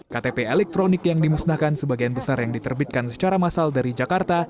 ktp elektronik yang dimusnahkan sebagian besar yang diterbitkan secara massal dari jakarta